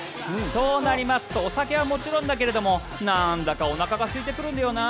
そうなりますとお酒はもちろんだけれどもなんだかおなかがすいてくるんだよな。